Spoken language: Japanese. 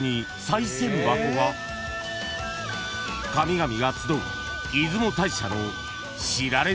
［神々が集う］